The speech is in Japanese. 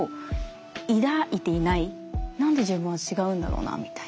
何で自分は違うんだろうなみたいな。